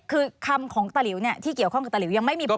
คือคำของตะหลิวเนี่ยที่เกี่ยวข้องกับตะหลิวยังไม่มีผล